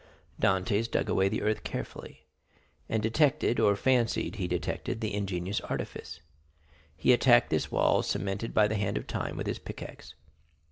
0301m Dantès dug away the earth carefully, and detected, or fancied he detected, the ingenious artifice. He attacked this wall, cemented by the hand of time, with his pickaxe.